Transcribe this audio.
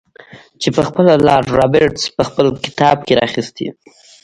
چې پخپله لارډ رابرټس په خپل کتاب کې را اخیستی.